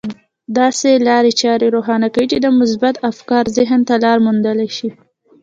داسې لارې چارې روښانه کوي چې مثبت افکار ذهن ته لاره موندلای شي.